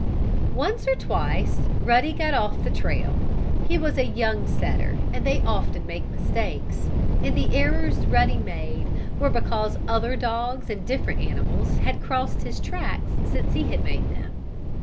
Once or twice Ruddy got off the trail. He was a young setter, and they often make mistakes. And the errors Ruddy made were because other dogs and different animals had crossed his tracks since he had made them.